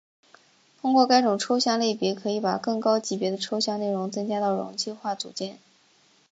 通过该种抽象类别可以把更高级别的抽象内容增加到容器化组件。